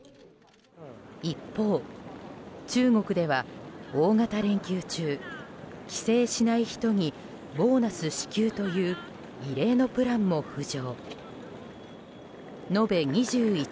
一方、中国では大型連休中帰省しない人にボーナス支給という異例のプランも浮上。